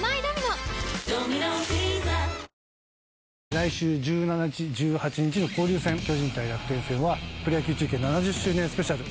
来週１７日１８日の交流戦巨人×楽天戦はプロ野球中継７０周年スペシャル。